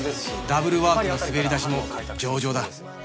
ダブルワークの滑り出しも上々だ